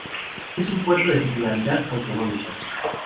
Es un puerto de titularidad autonómica.